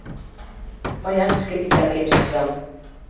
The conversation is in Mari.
Мыят шке титакем шижам.